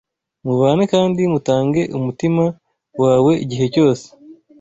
Mubane kandi mutange umutima wawe igihe cyose